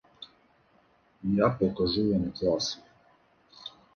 Я покажу вам класи!